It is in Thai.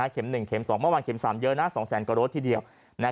เข็ม๑เม็ม๒เมื่อวานเข็ม๓เยอะนะ๒แสนกว่าโรสทีเดียว